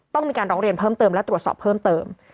ต้องมีการร้องเรียนเพิ่มเติมและตรวจสอบเพิ่มเติม